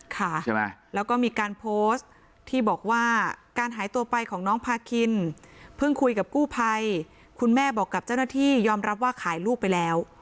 ค่ะใช่ไหมแล้วก็มีการโพสต์ที่บอกว่าการหายตัวไปของน้องพาคินเพิ่งคุยกับกู้ภัยคุณแม่บอกกับเจ้าหน้าที่ยอมรับว่าขายลูกไปแล้ว